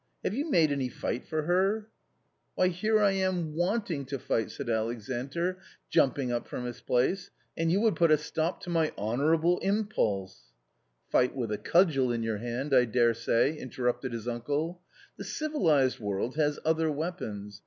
Have you made any fight for her ?" "Why, here I am wanting to fight," said Alexandr, jumping up from his place, " and you would put a stop to my honourable impulse "" Fight with a cudgel in your hand, I daresay !" interrupted his uncle ;" the civilised world has other weapons.